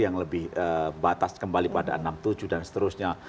yang lebih batas kembali pada tahun seribu sembilan ratus enam puluh tujuh dan seterusnya